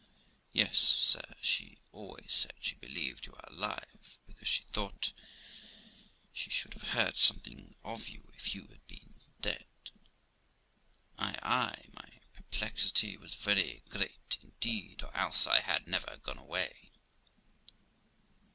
Amy. Yes, sir; she always said she believed you were alive, because she thought she should have heard something of you if you had been dead. Gent. Ay, ay ; my perplexity was very great indeed, or else I had never gone away. Amy.